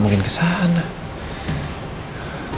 kalau mama tau bisa gawat nih